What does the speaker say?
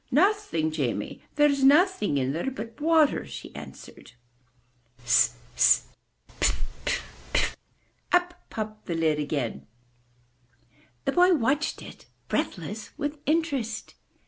Nothing, Jamie! There's nothing in there but water, she answered. S s s! S s s! Piff! Piff! Piff! Up popped the lid again. The boy watched it, breathless with interest.